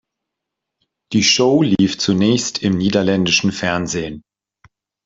Die Show lief zunächst im niederländischen Fernsehen.